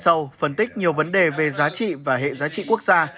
sau phân tích nhiều vấn đề về giá trị và hệ giá trị quốc gia